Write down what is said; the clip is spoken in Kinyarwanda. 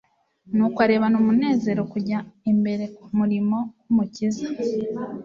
nuko arebana umunezero kujya mbere k'umurimo w'Umukiza.